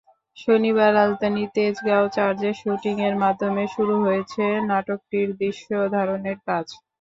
শনিবার রাজধানীর তেজগাঁও চার্চে শুটিংয়ের মাধ্যমে শুরু হয়েছে নাটকটির দৃশ্যধারণের কাজ।